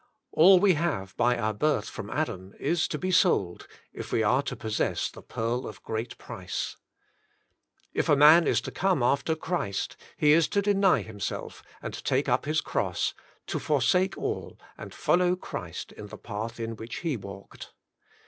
All we have by our birth from Adam, is to be sold, if we are to possess the pearl of great price. If a man is to come after Christ, he is to deny himself, and take up his cross, to forsake all and follow Christ in the path in which He walked.